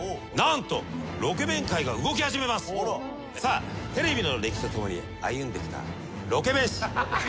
さあテレビの歴史とともに歩んできたロケ弁史。